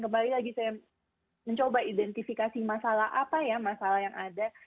kembali lagi saya mencoba identifikasi masalah apa ya masalah yang ada